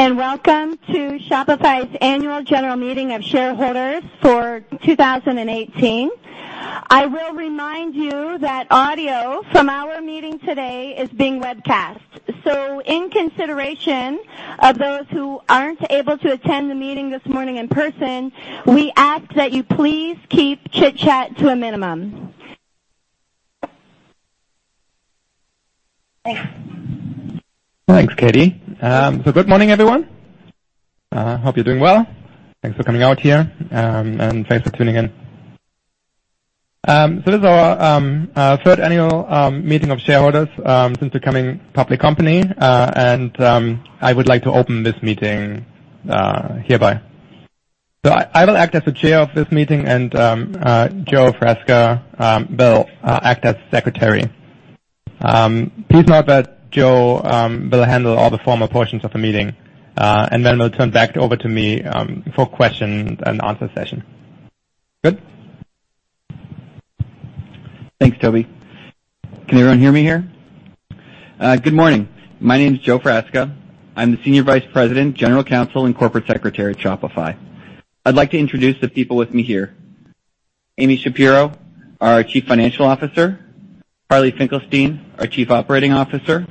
Good morning, welcome to Shopify's annual general meeting of shareholders for 2018. I will remind you that audio from our meeting today is being webcast. In consideration of those who aren't able to attend the meeting this morning in person, we ask that you please keep chitchat to a minimum. Thanks, Katie. Good morning, everyone. Hope you're doing well. Thanks for coming out here, thanks for tuning in. This is our third annual meeting of shareholders since becoming public company, I would like to open this meeting hereby. I will act as the Chair of this meeting, Joseph Frasca will act as Secretary. Please note that Joe will handle all the formal portions of the meeting, will turn back over to me for question and answer session. Good? Thanks, Tobi. Can everyone hear me here? Good morning. My name is Joseph Frasca. I'm the Senior Vice President, General Counsel, Corporate Secretary at Shopify. I'd like to introduce the people with me here. Amy Shapero, our Chief Financial Officer. Harley Finkelstein, our Chief Operating Officer.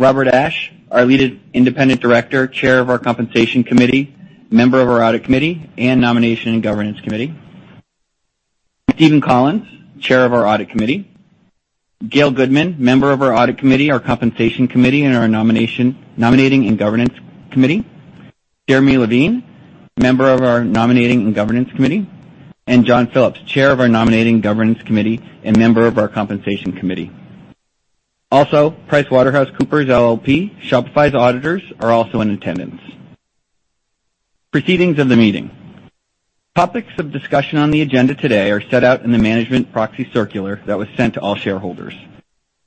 Robert Ashe, our Lead Independent Director, Chair of our Compensation Committee, member of our Audit Committee, Nominating and Governance Committee. Steven Collins, Chair of our Audit Committee. Gail Goodman, member of our Audit Committee, our Compensation Committee, our Nominating and Governance Committee. Jeremy Levine, member of our Nominating and Governance Committee, John Phillips, Chair of our Nominating and Governance Committee and member of our Compensation Committee. PricewaterhouseCoopers LLP, Shopify's auditors are also in attendance. Proceedings of the meeting. Topics of discussion on the agenda today are set out in the management proxy circular that was sent to all shareholders.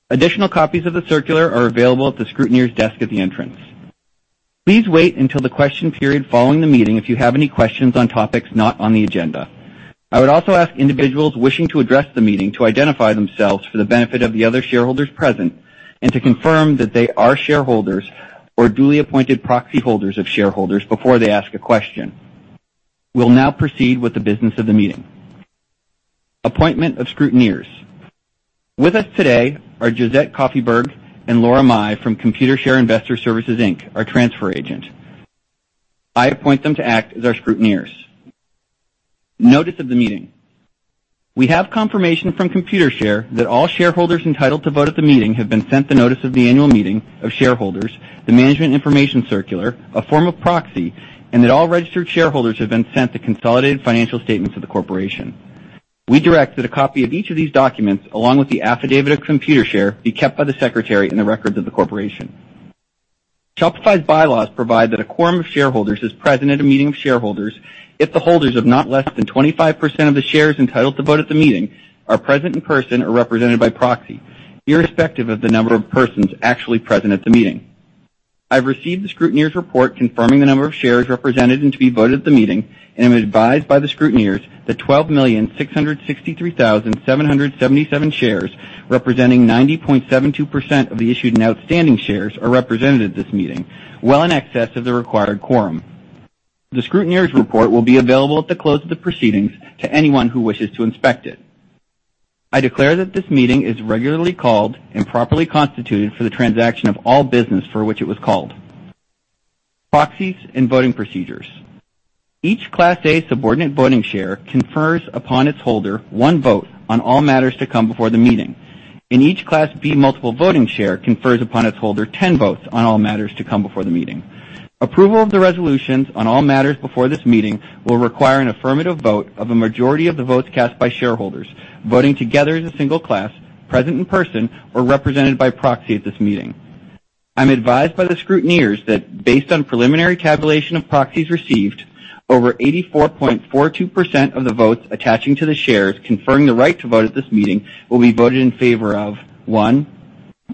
Additional copies of the circular are available at the scrutineer's desk at the entrance. Please wait until the question period following the meeting if you have any questions on topics not on the agenda. I would also ask individuals wishing to address the meeting to identify themselves for the benefit of the other shareholders present, to confirm that they are shareholders or duly appointed proxy holders of shareholders before they ask a question. We'll now proceed with the business of the meeting. Appointment of scrutineers. With us today are Josette Koffyberg and Laura Mai from Computershare Investor Services Inc., our transfer agent. I appoint them to act as our scrutineers. Notice of the meeting. We have confirmation from Computershare that all shareholders entitled to vote at the meeting have been sent the notice of the annual meeting of shareholders, the management information circular, a form of proxy, and that all registered shareholders have been sent the consolidated financial statements of the corporation. We direct that a copy of each of these documents, along with the affidavit of Computershare, be kept by the secretary in the records of the corporation. Shopify's bylaws provide that a quorum of shareholders is present at a meeting of shareholders, if the holders of not less than 25% of the shares entitled to vote at the meeting are present in person or represented by proxy, irrespective of the number of persons actually present at the meeting. I've received the scrutineer's report confirming the number of shares represented and to be voted at the meeting. I'm advised by the scrutineers that 12,663,777 shares representing 90.72% of the issued and outstanding shares are represented at this meeting, well in excess of the required quorum. The scrutineer's report will be available at the close of the proceedings to anyone who wishes to inspect it. I declare that this meeting is regularly called and properly constituted for the transaction of all business for which it was called. Proxies and voting procedures. Each Class A subordinate voting share confers upon its holder one vote on all matters to come before the meeting. Each Class B multiple voting share confers upon its holder 10 votes on all matters to come before the meeting. Approval of the resolutions on all matters before this meeting will require an affirmative vote of a majority of the votes cast by shareholders, voting together as a single class, present in person or represented by proxy at this meeting. I'm advised by the scrutineers that based on preliminary tabulation of proxies received, over 84.42% of the votes attaching to the shares conferring the right to vote at this meeting will be voted in favor of, one,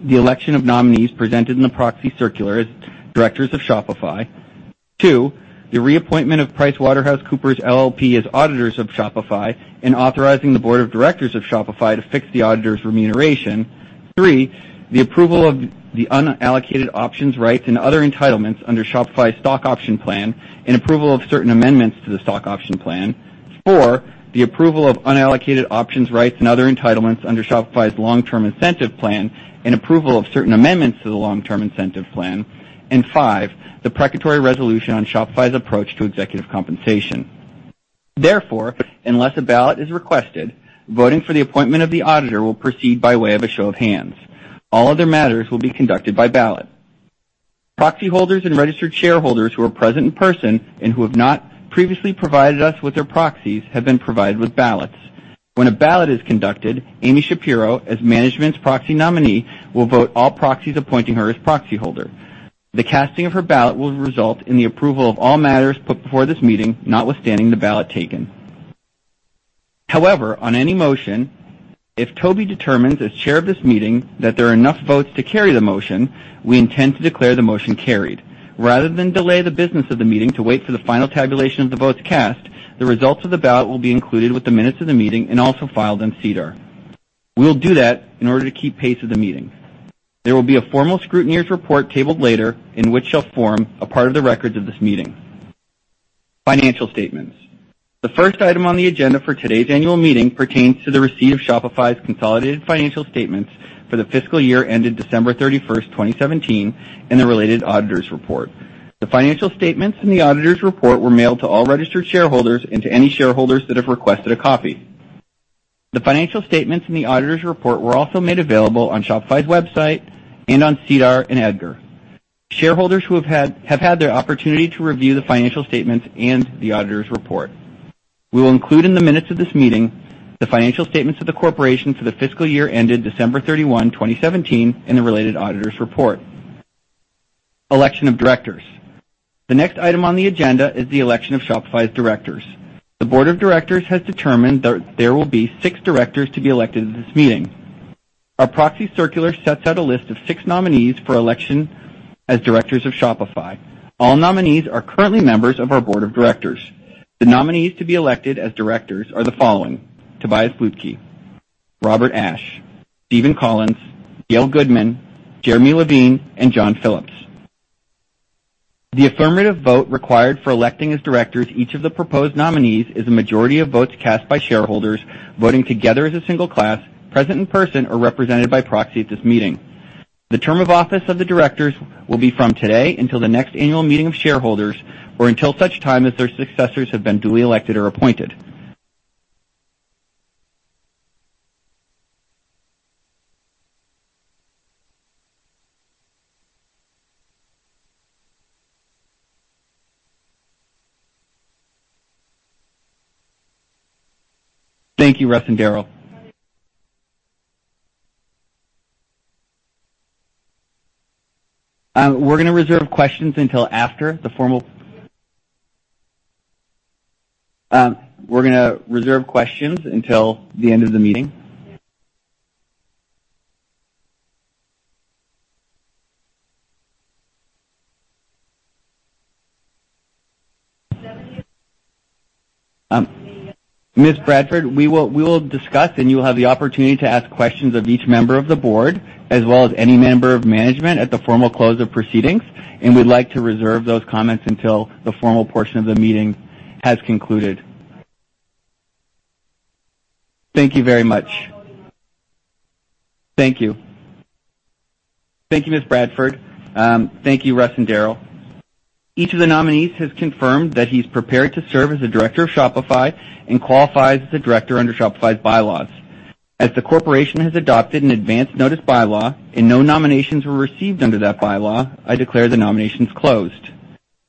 the election of nominees presented in the proxy circular as directors of Shopify. Two, the reappointment of PricewaterhouseCoopers LLP as auditors of Shopify, and authorizing the Board of Directors of Shopify to fix the auditor's remuneration. Three, the approval of the unallocated options, rights, and other entitlements under Shopify's stock option plan, and approval of certain amendments to the stock option plan. Four, the approval of unallocated options, rights, and other entitlements under Shopify's long-term incentive plan, and approval of certain amendments to the long-term incentive plan. Five, the precatory resolution on Shopify's approach to executive compensation. Therefore, unless a ballot is requested, voting for the appointment of the auditor will proceed by way of a show of hands. All other matters will be conducted by ballot. Proxy holders and registered shareholders who are present in person and who have not previously provided us with their proxies have been provided with ballots. When a ballot is conducted, Amy Shapero, as management's proxy nominee, will vote all proxies appointing her as proxy holder. The casting of her ballot will result in the approval of all matters put before this meeting, notwithstanding the ballot taken. However, on any motion, if Tobi determines as chair of this meeting that there are enough votes to carry the motion, we intend to declare the motion carried. Rather than delay the business of the meeting to wait for the final tabulation of the votes cast, the results of the ballot will be included with the minutes of the meeting and also filed in SEDAR. We'll do that in order to keep pace with the meeting. There will be a formal scrutineers report tabled later in which shall form a part of the records of this meeting. Financial statements. The first item on the agenda for today's annual meeting pertains to the receipt of Shopify's consolidated financial statements for the fiscal year ended December 31st, 2017, and the related auditors report. The financial statements and the auditors report were mailed to all registered shareholders and to any shareholders that have requested a copy. The financial statements in the auditors report were also made available on shopify's website and on SEDAR and EDGAR. Shareholders who have had their opportunity to review the financial statements and the auditors report. We will include in the minutes of this meeting the financial statements of the corporation for the fiscal year ended December 31, 2017, and the related auditors report. Election of directors. The next item on the agenda is the election of Shopify's directors. The board of directors has determined that there will be six directors to be elected at this meeting. Our proxy circular sets out a list of six nominees for election as directors of Shopify. All nominees are currently members of our board of directors. The nominees to be elected as directors are the following: Tobias Lütke, Robert Ashe, Steven Collins, Gail Goodman, Jeremy Levine, and John Phillips. The affirmative vote required for electing as directors each of the proposed nominees is a majority of votes cast by shareholders voting together as a single class, present in person or represented by proxy at this meeting. The term of office of the directors will be from today until the next annual meeting of shareholders or until such time as their successors have been duly elected or appointed. Thank you, Russ and Darryl. We're going to reserve questions until the end of the meeting. Ms. Bradford, we will discuss, and you will have the opportunity to ask questions of each member of the board as well as any member of management at the formal close of proceedings, and we'd like to reserve those comments until the formal portion of the meeting has concluded. Thank you very much. Thank you. Thank you, Ms. Bradford. Thank you, Russ and Darryl. Each of the nominees has confirmed that he's prepared to serve as a director of Shopify and qualifies as a director under Shopify's bylaws. As the corporation has adopted an advanced notice bylaw and no nominations were received under that bylaw, I declare the nominations closed.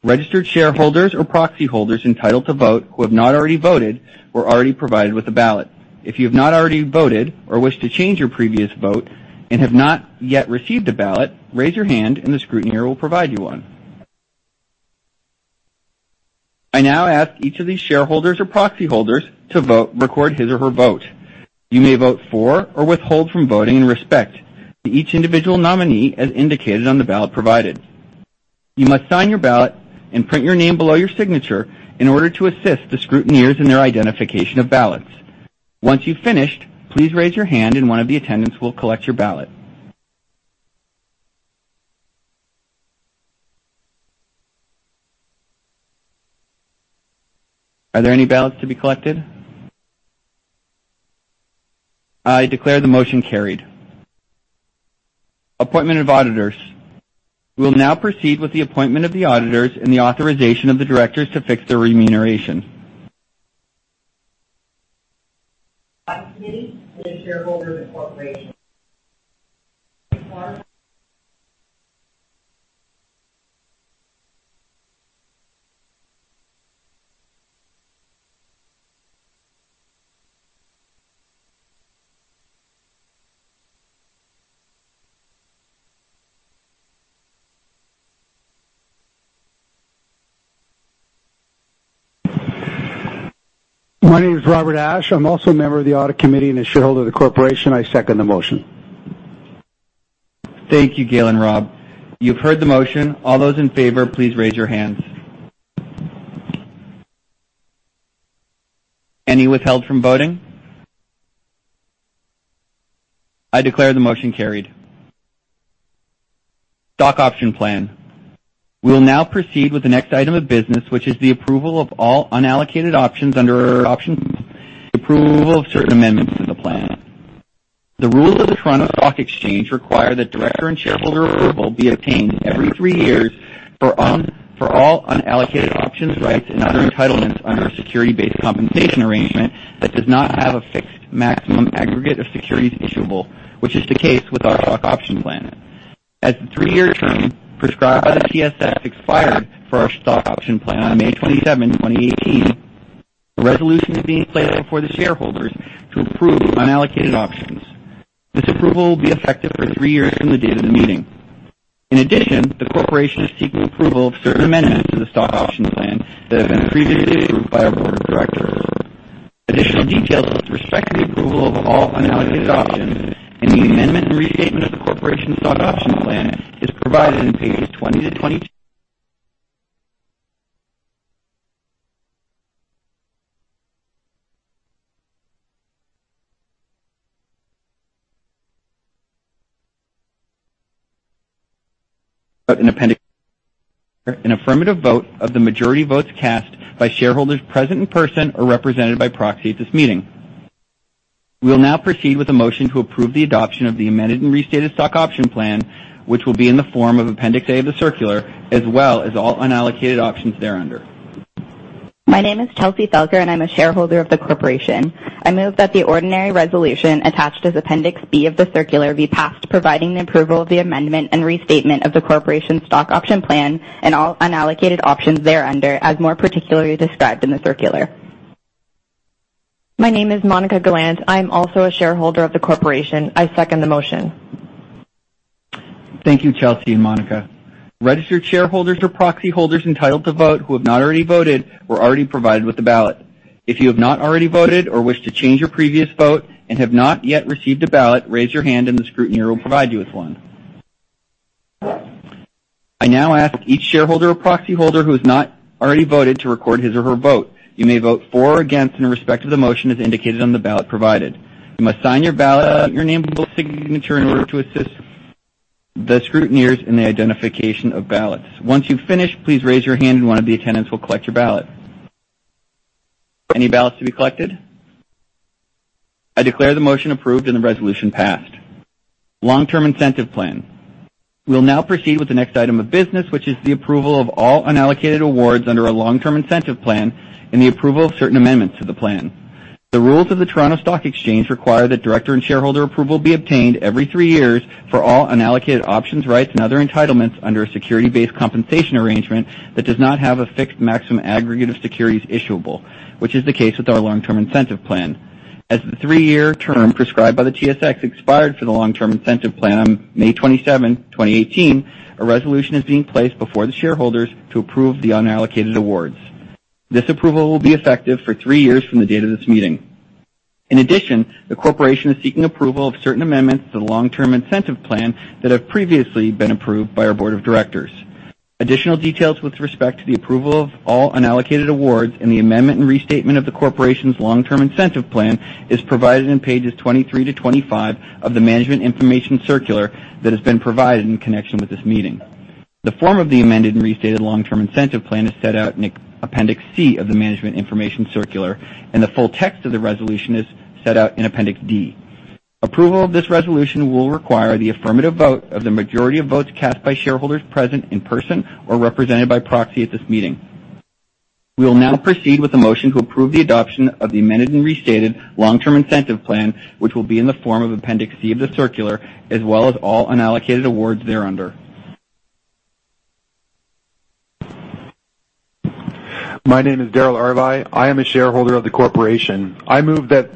Registered shareholders or proxy holders entitled to vote who have not already voted were already provided with a ballot. If you have not already voted or wish to change your previous vote and have not yet received a ballot, raise your hand and the scrutineer will provide you one. I now ask each of these shareholders or proxy holders to record his or her vote. You may vote for or withhold from voting in respect to each individual nominee as indicated on the ballot provided. You must sign your ballot and print your name below your signature in order to assist the scrutineers in their identification of ballots. Once you've finished, please raise your hand and one of the attendants will collect your ballot. Are there any ballots to be collected? I declare the motion carried. Appointment of auditors. We will now proceed with the appointment of the auditors and the authorization of the directors to fix their remuneration. Audit Committee and a shareholder of the corporation. My name is Robert Ashe. I'm also a member of the Audit Committee and a shareholder of the corporation. I second the motion. Thank you, Gail and Rob. You've heard the motion. All those in favor, please raise your hands. Any withheld from voting? I declare the motion carried. Stock option plan. We will now proceed with the next item of business, which is the approval of all unallocated options under our option, the approval of certain amendments to the plan. The rules of the Toronto Stock Exchange require that director and shareholder approval be obtained every three years for all unallocated options, rights, and other entitlements under a security-based compensation arrangement that does not have a fixed maximum aggregate of securities issuable, which is the case with our stock option plan. As the three-year term prescribed by the TSX expired for our stock option plan on May 27, 2018, a resolution is being placed before the shareholders to approve unallocated options. This approval will be effective for three years from the date of the meeting. In addition, the corporation is seeking approval of certain amendments to the stock option plan that have been previously approved by our Board of Directors. Additional details with respect to the approval of all unallocated options and the amendment and restatement of the corporation's stock option plan is provided on pages 20 to 22 an affirmative vote of the majority of votes cast by shareholders present in person or represented by proxy at this meeting. We will now proceed with a motion to approve the adoption of the amended and restated stock option plan, which will be in the form of Appendix A of the circular, as well as all unallocated options thereunder. My name is Chelsea Felger, and I'm a shareholder of the corporation. I move that the ordinary resolution attached as Appendix B of the circular be passed, providing the approval of the amendment and restatement of the corporation's stock option plan and all unallocated options thereunder as more particularly described in the circular. My name is Monica Gallant. I am also a shareholder of the corporation. I second the motion. Thank you, Chelsea and Monica. Registered shareholders or proxy holders entitled to vote who have not already voted were already provided with a ballot. If you have not already voted or wish to change your previous vote and have not yet received a ballot, raise your hand and the scrutineer will provide you with one. I now ask each shareholder or proxy holder who has not already voted to record his or her vote. You may vote for or against in respect of the motion as indicated on the ballot provided. You must sign your ballot and print your name below your signature in order to assist the scrutineers in the identification of ballots. Once you've finished, please raise your hand and one of the attendants will collect your ballot. Any ballots to be collected? I declare the motion approved and the resolution passed. Long-term incentive plan. We will now proceed with the next item of business, which is the approval of all unallocated awards under our long-term incentive plan and the approval of certain amendments to the plan. The rules of the Toronto Stock Exchange require that director and shareholder approval be obtained every three years for all unallocated options, rights, and other entitlements under a security-based compensation arrangement that does not have a fixed maximum aggregate of securities issuable, which is the case with our long-term incentive plan. As the three-year term prescribed by the TSX expired for the long-term incentive plan on May 27, 2018, a resolution is being placed before the shareholders to approve the unallocated awards. This approval will be effective for three years from the date of this meeting. The corporation is seeking approval of certain amendments to the long-term incentive plan that have previously been approved by our board of directors. Additional details with respect to the approval of all unallocated awards and the amendment and restatement of the corporation's long-term incentive plan is provided on pages 23 to 25 of the management information circular that has been provided in connection with this meeting. The form of the amended and restated long-term incentive plan is set out in Appendix C of the management information circular, and the full text of the resolution is set out in Appendix D. Approval of this resolution will require the affirmative vote of the majority of votes cast by shareholders present in person or represented by proxy at this meeting. We will now proceed with a motion to approve the adoption of the amended and restated long-term incentive plan, which will be in the form of Appendix C of the circular, as well as all unallocated awards thereunder. My name is Darryl Arvai. I am a shareholder of the corporation. I move that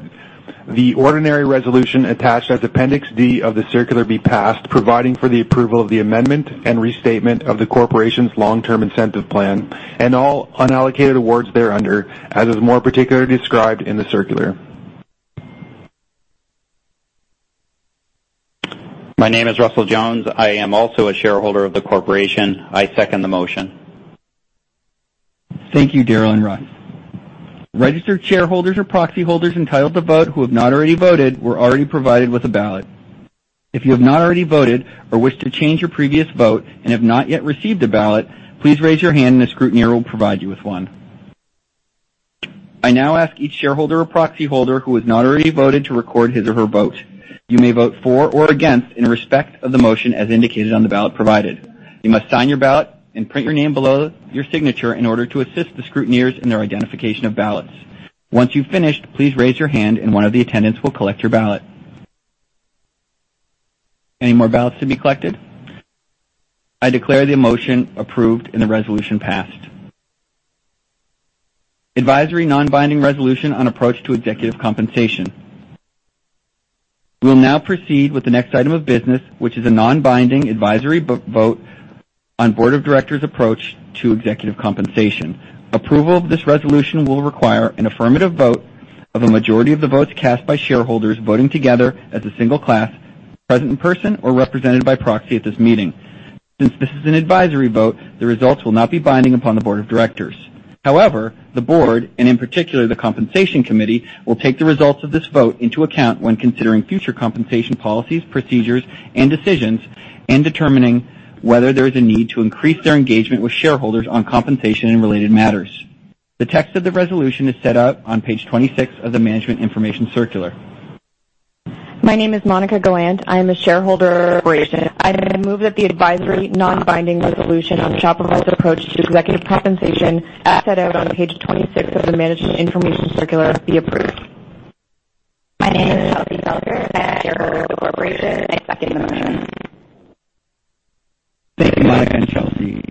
the ordinary resolution attached as Appendix D of the circular be passed, providing for the approval of the amendment and restatement of the corporation's long-term incentive plan and all unallocated awards thereunder, as is more particularly described in the circular. My name is Russell Jones. I am also a shareholder of the corporation. I second the motion. Thank you, Darryl and Russ. Registered shareholders or proxy holders entitled to vote who have not already voted were already provided with a ballot. If you have not already voted or wish to change your previous vote and have not yet received a ballot, please raise your hand and the scrutineer will provide you with one. I now ask each shareholder or proxy holder who has not already voted to record his or her vote. You may vote for or against in respect of the motion as indicated on the ballot provided. You must sign your ballot and print your name below your signature in order to assist the scrutineers in their identification of ballots. Once you've finished, please raise your hand and one of the attendants will collect your ballot. Any more ballots to be collected? I declare the motion approved and the resolution passed. Advisory non-binding resolution on approach to executive compensation. We will now proceed with the next item of business, which is a non-binding advisory vote on board of directors' approach to executive compensation. Approval of this resolution will require an affirmative vote of a majority of the votes cast by shareholders voting together as a single class, present in person or represented by proxy at this meeting. Since this is an advisory vote, the results will not be binding upon the board of directors. However, the board, and in particular the Compensation Committee, will take the results of this vote into account when considering future compensation policies, procedures, and decisions, and determining whether there is a need to increase their engagement with shareholders on compensation and related matters. The text of the resolution is set out on page 26 of the management information circular. My name is Monica Gallant. I am a shareholder of the corporation. I move that the advisory non-binding resolution on Shopify's approach to executive compensation, as set out on page 26 of the management information circular, be approved. My name is Chelsea Felger. I am a shareholder of the corporation. I second the motion. Thank you, Monica and Chelsea.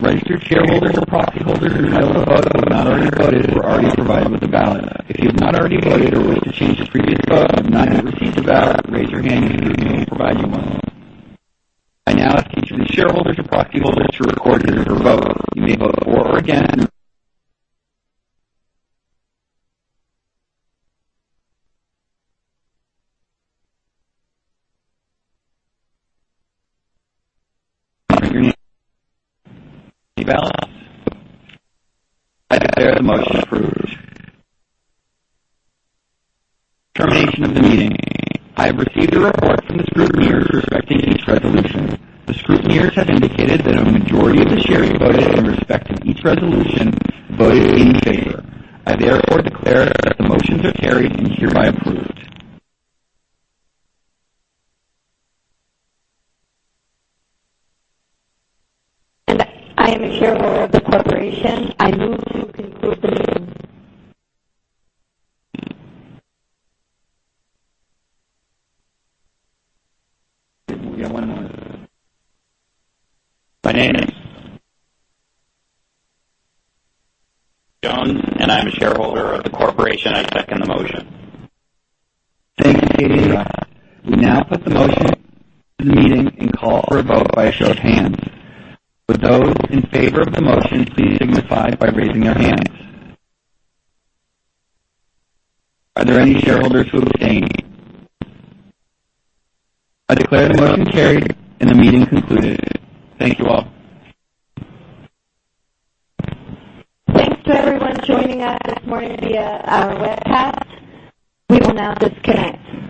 Registered shareholders or proxy holders entitled to vote who have not already voted were already provided with a ballot. If you have not already voted or wish to change your previous vote and have not yet received a ballot, raise your hand and the scrutineer will provide you with one. I now ask each of the shareholders or proxy holders to record their vote. You may vote for or against. Any ballots? I declare the motion approved. Termination of the meeting. I have received a report from the scrutineers respecting each resolution. The scrutineers have indicated that a majority of the shares voted in respect of each resolution voted in favor. I therefore declare that the motions are carried and hereby approved. I am a shareholder of the corporation. I move to conclude. We got one more. My name is Jones, and I'm a shareholder of the corporation. I second the motion. Thanks, Darryl and Russ. We now put the motion to the meeting and call for a vote by a show of hands. Would those in favor of the motion please signify by raising their hands. Are there any shareholders who abstain? I declare the motion carried and the meeting concluded. Thank you all. Thanks to everyone joining us this morning via our webcast. We will now disconnect.